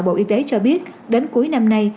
bộ y tế cho biết đến cuối năm nay